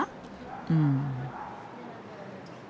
うん。